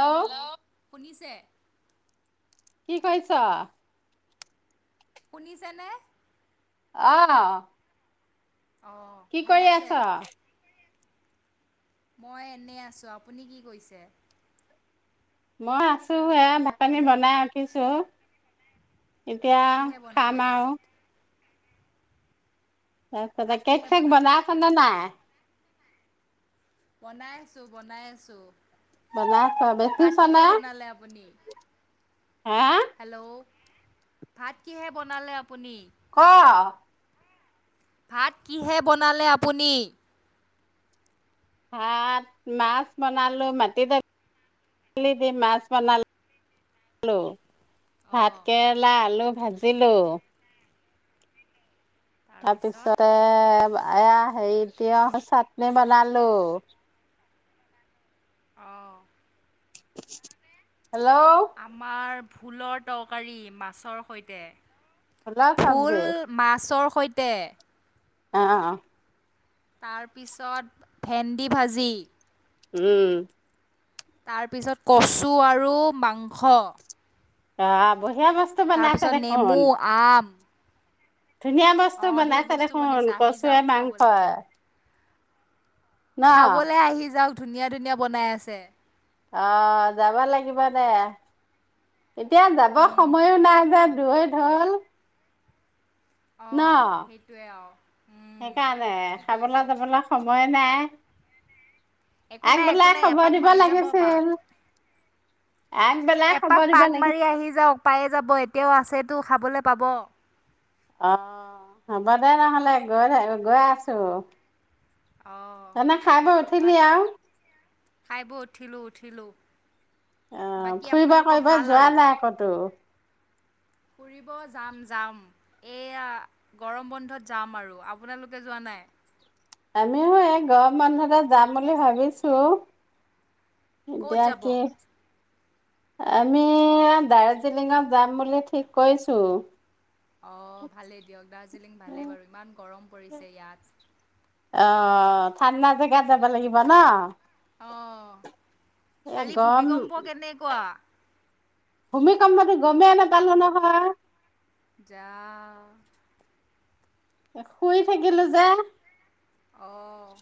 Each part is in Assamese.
হেল্ল' শুনিছে? কি কৰিছ শুনিছেনে? আহ অ কি ভালে কৰি আছে। আছ মই এনে আছোঁ আপুনি কি কৰিছে মই আছো হ ঢ পানী হেল্ল' বনাই উঠিছ ছ [unintelligible] এতিয়া কিহে খাম বনালে ভাত আৰু আছ ভাত কেক কিহে চেক বনালে বনায় আছ ন নাই বনাই আছো বনাই আছো বলা আছ বেছি চ নাই আপুনি হেল্ল' ভাত কিহে বনালে আ ক ভাত কিহে বনালে আপুনি ভাত মাছ বনালো মাটি দালি দি মাছ বনালো ভাত অঁ কেৰেলা আলু ভাজিলোঁ তাৰপিছত তাৰপিছতে এয়া হেৰিতি চাটনি বনালো অঁ [inaudible] আমাৰ ফুলৰ তৰকাৰী মাছৰ সৈতে হেল্ল' চব্জি ফুল মাছৰ সৈতে আ তাৰপিছত ভেন্দি ভাজি উম তাৰপিছত কচু আৰু মাংস আ বৈ তাৰপিছত নেমু আম ধুনীয়া বস্তু অঁ ধেৰ বনাইছে বস্তু দেখোন বনাইছে আহি কচুৱে যাওক মাংস খাবলে আহি যাওঊক ধুনীয়া ধুনীয়া বনাই আছে আহ যাব লাগিব দে এতিয়া যাব উম, সময়ো নাই যোন তইৰে ঢল ন অঁ সেইটোৱে আৰু উম, সেইকাৰণে কি কৰিব খাবলৈ যাবলৈ সময় নাই একো নাই-একো আগবেলাই নাই খবৰ এপাক দিব মাৰি যাব পাক। লাগিছিল আগবেলাই এপাক খবৰ দিব পাক মাৰি লাগিছিল আহি যাওঁক যাওক পায়ে যাব তেওঁ আছেতো খাবলৈ পাব। আহ হ'ব দে নহ'লে গৈ গৈ আছো। অঁ যি ন খাইাব উঠিলি আৰু খাইব উঠিলোঁ-উঠিলো আহ ফুৰিব কৰিবা যোৱা নাই কতো? ফুৰিব যাম-যাম এইয়া গৰম বন্ধত যাম আৰু। আপোনালোকে যোৱা নাই? আমিও এই গৰম বন্ধতে যাম বুলি ভাবিছো ক'ত এতিয়া যাব কি আমি দাৰৰ্জিলিঙত যাম বুলি ঠিক কৈছো। অঁ ভালেই দিয়ক দাৰ্জিলিং ভালেই বাৰু ইমান গৰম পৰিছে ইয়াত অ ঠাণ্ডা জেগাত যাব লাগিব ন অহ এ কালি, গৰম ভূমিকম্প কেনেকুৱা ভূমিকম্প টো গমে নেপালোঁ নহয যা শুই থাকিলো যে। অহ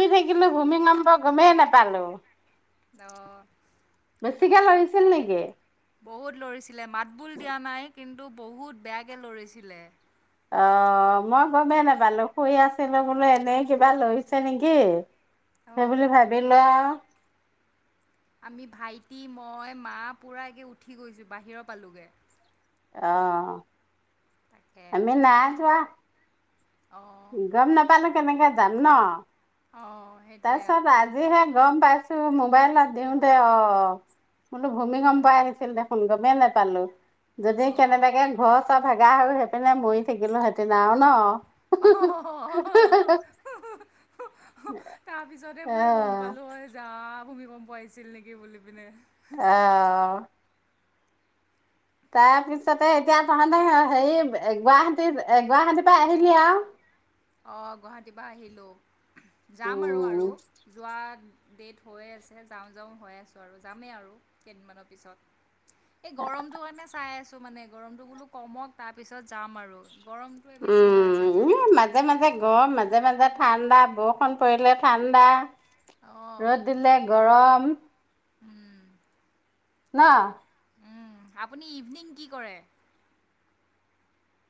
গুই থাকিলো। ভূমিকম্প গমেইে নোপালো ন বেছিকৈ লৰিছিল নেকি বহুত লৰিছে মাত বোল দিয়া নাই কিন্তু বহুত বেয়াকৈ লৰিছিলে। অ মই গমেই নাপালো, শুই আছিলো বোলো এনে কিবা লৈছে নেকি? সেই অঁ বুলি ভাবি লৈ আমি ভাইটি, মই, মা পুৰা একে উঠি গৈছো বাহিৰৰ পালোগৈ। অহ তাকে আমি নাই যোৱা। অঁ গম নাপালো কেনেকে যাম ন অঁ সেইটোৱে তাৰপিছত আকৌ আজিহে গম পাইছো। তোৰ মোবাইলত দিও দে অ বোলো ভূমি গম পাই আহিছিল দেখোন? গমেই নোপালো। যদি অঁ কেনেবাকে ঘৰ চব ভাগা আৰু সেইপিনে মৰি থাকিলো হেতেন আৰু ন? [unintelligible] তাৰ পিছতে বোলে গম পালো যাম ভুমিকম্প আহিছিল নেকি বুলি পিনে। আহ তাৰপিছতে এতিয়া তহঁতে হেৰি গুৱাহাটী গুৱাহাটীৰ পৰা আহিলি আৰু? অ গুৱাহাটীৰ পৰা আহিলো। যাম আৰু উম আৰু যোৱা ডেট হৈয়ে আছে যাওঁ যাওঁ হৈ আছোঁ আৰু যামেই আৰু কেইদিনমানৰ পিছত এই গৰমটো কাৰণে চাই আছো। মানে গৰমটো বোলো কমক তাৰ পিছত যাম আৰু। গৰমটোৱে বেছি হৈ আছে যে বৰ মাজে মাজে ঠাণ্ডা বৰষুণ পৰিলে ঠাণ্ডা ৰ'দ দিলে গৰম। উ উম ন আপুনি ইভিনিং কি কৰে।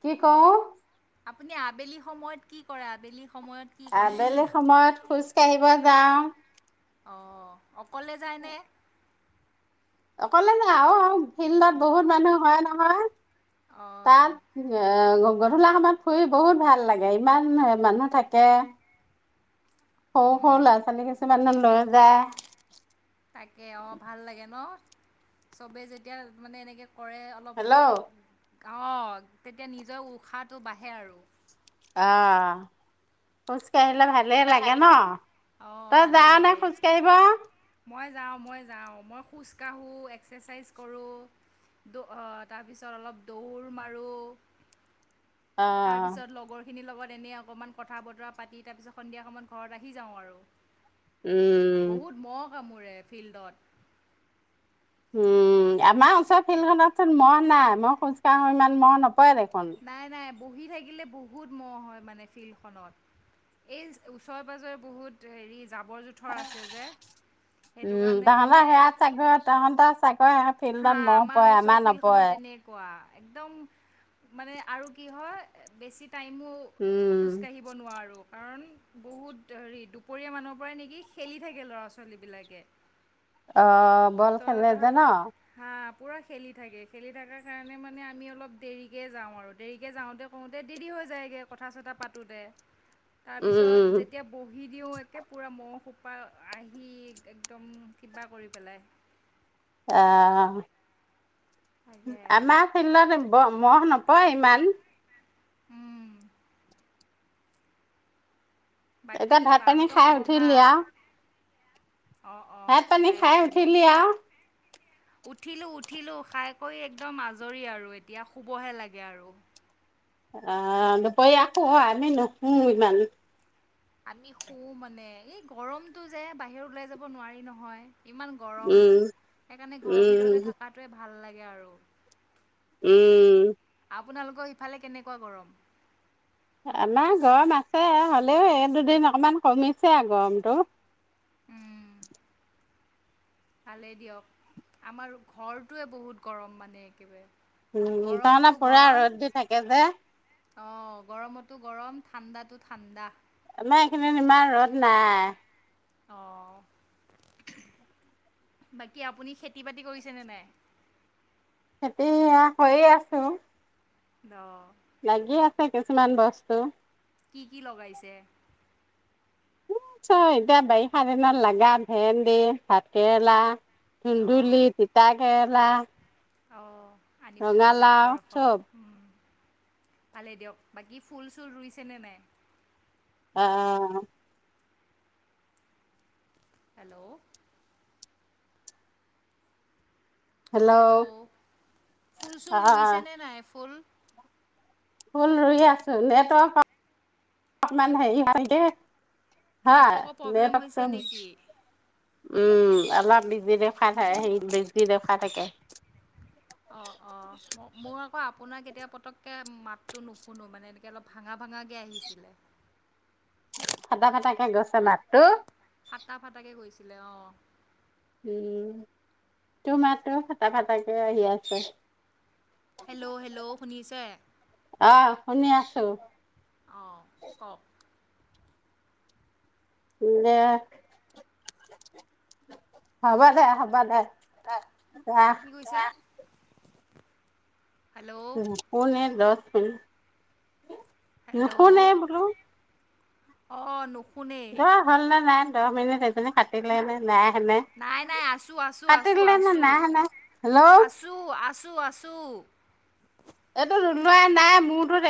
কি কওঁ আপুনি আবেলি সময়ত কি কৰে আবেলি সময়ত কি কৰে আবেলি সময়ত। খোজ কাঢ়িব যাওঁ। অ অকলে যায়নে। অকলে ন আহ ফিল্ডত বহুত মানুহ হয় নহয়। অঁ তাত [unintelligible] আহ গধূলি সময়ত ফুৰি বহুত ভাল লাগে ইমান মানুহ থাকে। সৰু সৰু উম, ল'ৰা ছোৱালী কিছুমান লৈ যায়। তাকে অ ভাল লাগে ন চবে যেতিয়া মানে এনেকে কৰে অলপ হেল্ল' অ তেতিয়া নিজৰ উশাহটো বাঢ়ে আৰু অ খুজকা ভালে লাগে ন অঁ তই ভালেই যাৱ নে লাগে খোজ কাঢ়িব। মই যাওঁ মই যাওঁ মই খোজকাঢ়োঁ এক্সাৰচাইজ কৰোঁ তাৰপিছত অলপ দৌৰ মাৰোঁ। অ তাৰ পিছত লগৰ খিনিৰ লগত তেনে অকণমান কথা বতৰা পাতি তাৰ পিছত। সন্ধিয়া সমত ঘৰত আহি যাওঁ আৰু উম বহুত মহ কামোৰে ফিল্ডত উম আমাৰ ওচৰ ফিল্ডখনত চোন মহ নাই মই খোজকাঢ়ো ইমান ম মহ ন পয় দেখুন নাই নাই বহি থাকিলে বহুত মহ হয় মানে ফিল্ডখনত এই ওচৰে পাঁজৰে বহুত হেৰি জাব [unintelligible] উম কাৰণে তহত মানে সেয়া চাগৈ তহত ক হা ফিল্ডত মহ পৰে ওচৰৰ আমাৰ ফিল্ডখনত নপঢৰে তেনেকুৱা একদম মানে আৰু কি হয় বেছি টাইমো উম, খোজকাঢ়িব নোৱাৰো কাৰণ বহুত হেৰি দুপৰীয়া মানৰ পৰাই নেকি খেলি থাকে ল'ৰা ছোৱালী বিলাকে। অহ বল খেলে যে ন? আ পুৰা খেলি থাকে। খেলি থাকাৰ কাৰণে মানে আমি অলপ দেৰিকে যাওঁ আৰু দেৰিকে যাওঁতে কওঁতে দেৰি হৈ যায়গে কথা চথা পাতোঁতে। তাৰ পিছত উম, যেতিয়া বহি দিও একে পুৰা মহ [unintelligible] আহি একদম কিবা কৰি পেলাই আহ তাকে আমাৰ ফিল্ডত মহ [unintelligible] [unintelligible] ইমান উম। এতিয়া বাকী ভাত পানী বাহঁতৰ খাই উঠিলি আও অ' অ' ভাত পানী খাই উঠিলো। উঠিলি আও উঠিলো উঠ উঠিলোঁ। খাই কৰি একদম আজৰি আৰু এতিয়া শুবহে লাগে আৰু অ' দুপৰীয়া শু আমি নুশুও ইমান। আমি শু মানে এই গৰমতটো যে বাহিৰত ওলাই যাব নোৱাৰি নহয়। ইমান গৰম উম সেইকাৰণে ঘৰৰ ভিতৰতে উম থাকাটোৱে ভাল। ভাল লাগে আৰু উম। আপোনালোকৰ ইফালে কেনেকুৱা গৰম? আমাৰ গৰম আছে হলেও এই দুদিন অকমান কমিছে আও গৰমটো। উম। ভালেই দিয়ক আমাৰ ঘৰটোৱে বহুত গৰম মানে একেবাৰে উম। গৰমতো তাৰমানে পুৰা ৰ'দ দি থাকে যে। অ' গৰমতো গৰম। ঠাণ্ডাতো ঠাণ্ডা। আমাৰ এইখিনিত ইমান ৰদ নাই। অ' বাকী আপুনি খেতি বাতি কৰিছেনে নাই? খেতি আ কৰি আছো। দ লাগি আছে কিছুমান বস্তু। কি কি লগাইছে? [unintelligible] এতিয়া বাৰিষা দিনত লাগা ভেন্দি, ভাতকেৰেলা ধুন্দুলি, তিতাকেৰেলা [unintelligible] অ'। আনিব যাব লাগিব ৰঙালাও ৰখক। চব। ভালে দিয়ক। বাকী ফুল চুল ৰুইছেনে নাই? অ'। Hello hello. ' ফুল চুল ৰুইছে অ' নে নাই? ফুল ফুল ৰুই আচো নেটৱক অকমান হেৰি হয় যে হা নেটৱৰ্কৰ প্ৰব্লেম নেৱটক হৈছে নেকি [unintelligible] উম অলপ বিজি দেখুৱা থয় বিজি দেখুৱাই থাকে অ অ মোৰ অ আপোনাক কেতিয়া পতককে মাতটো নুশুনো মানে এনেকে অলপ ভাঙা ভাঙাকে আহিছিলে ফটা ফটাকে গৈছে মাতটো ছিলে অ উম তোৰ মাতো ফটা ফটাকে আহি আছে হেল্ল' হেল্ল' শুনিছে আহ শুনি আছো অঁ কওক দে [unintelligible] হব দে হব দে ৰাখ [unintelligible] কি কৰিছা [inaudible] হেল্ল' উম পুন এই উম [inaudible] নোশুনেই বোলো অ নোশুনে হল নে নাই দহ মিনিট এজনী কাটিলে নে নাই হেনে নাই নাই আছো আছো আছো কাটিলে নে আছো নাই হেনে হেল্ল' আছো আ আছো আছো এইটো লোৱাই নাই মোৰতো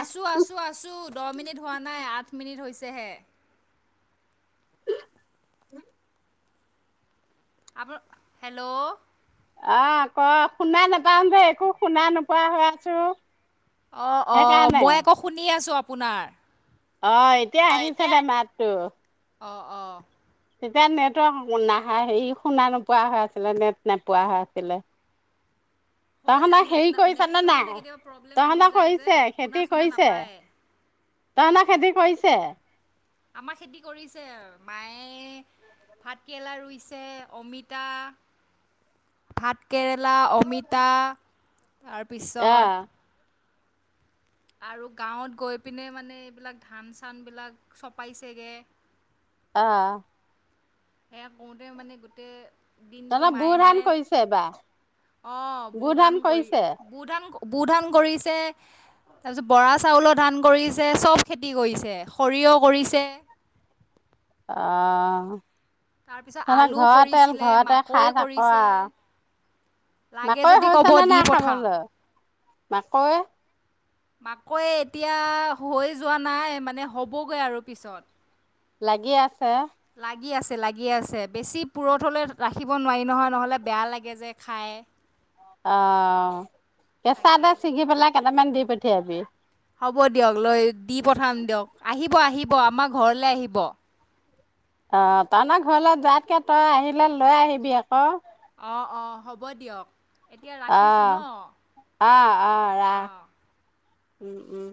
আছো আছো আছো দহ মিনিট হোৱা নাই আঠ মিনিট হৈছে দে [inaudible] [unintelligible] হেল্ল' আহ ক শুনা নাপাওঁ যে একো শুনা নোপোৱা হৈ আছো অ অ সেইকাৰণে মই আকৌ শুনি আছো আপোনাৰ অ এতিয়া আহিছে দে মাতটো অ অ তেতিয়া নেটৱৰ্ নাহা হেৰি শুনা নোপোৱা হৈ আছিলে নেট নেপোৱা হৈ আছিলে হৈ তহঁতৰ যায় নেট হেৰি না কৰিছ নে নেটটো নাই? মানে কেতিয়াব প্ৰব্লেম আহি তহঁতৰ যায় যে কৰিছে শুনা চুনা নাপায় তহতৰ খেতি কৰিছে? আমাৰ খেতি কৰিছে মায়ে ভাত কৰেলা ৰুইছে, অমিতা, ভাত কেৰেলা অমিতা অ', তাৰপিছত আৰু গাঁৱত গৈ পিনে মানে এইবিলাক ধান-চান বিলাক চপাইছেগে আহ সেয়া কৰোতে মানে গোটেই দিনটো তহঁতৰ বু মায়ে ধান মানে কৰিছে এইবাৰ অ বু ধান কৰি বু ধান বু ধান কৰিছে, তাৰপিছত বৰা চাউলৰ ধান কৰিছে, চব খেতি কৰিছে। সৰিয়হ কৰিছে তাৰপিছত অঁ আলু ঘৰতেল কৰিছিলে ঘৰতে মাকৈ খাই থকো কৰিছে আও। লাগে মাকৈ যদি ক'ব হৈছে নে দি নাই পঠাম খাবলৈ? মাকৈ? মাকৈ এতিয়া হৈ যোৱা নাই, মানে হ'বগৈ আৰু পিছত। লাগি আছে লাগি আছে, লাগি আছে, বেছি পুৰঠলৈ ৰাখিব নোৱাৰি নহয়, নহ'লে বেয়া লাগে যে খাই। অ কেঁচা দ তাকে চিঙি পেলাই কেইটামান দি পঠিয়াবি। হ'ব দিয়ক লৈ দি পঠাম দিয়ক আহিব-আহিব আমাৰ ঘৰলৈ আহিব। অ তহত ঘৰলে যোৱাতকে তই আহিলে লৈ আহিবি আকৌ। অ-অ হ'ব দিয়ক। এতিয়া ৰাখিছোঁ ন আহ-আহ-আহ ৰাখ অঁ উম-উম